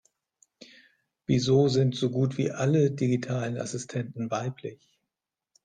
Wieso sind so gut wie alle digitalen Assistenten weiblich?